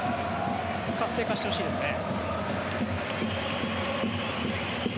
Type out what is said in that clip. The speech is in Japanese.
活性化してほしいですね。